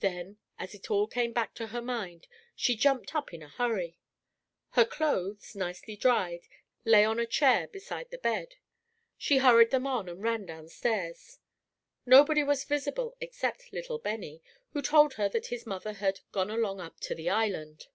Then, as it all came back to her mind, she jumped up in a hurry. Her clothes, nicely dried, lay on a chair beside the bed. She hurried them on, and ran downstairs. Nobody was visible except little Benny, who told her that his mother had "gone along up to the island."